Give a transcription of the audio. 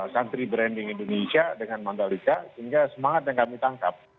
santri branding indonesia dengan mandalika sehingga semangat yang kami tangkap